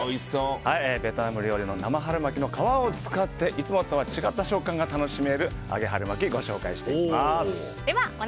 ベトナム料理の生春巻きの皮を使っていつもとは違った食感が楽しめる揚げ春巻きをご紹介していきます。